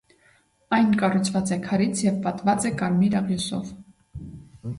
Այն կառուցված է քարից և պատված է կարմիր աղյուսով։